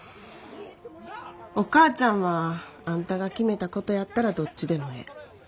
お母ちゃんはあんたが決めたことやったらどっちでもええ。